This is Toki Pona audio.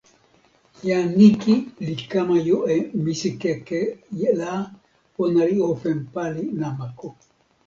jan Niki li kama jo e misikeke la, ona li open pali namako.